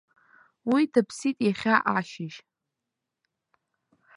Уи дыԥсит иахьа ашьыжь.